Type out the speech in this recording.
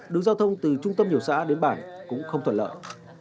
đường giao thông từ trung tâm nhiều xã đến bản cũng không thuận lợi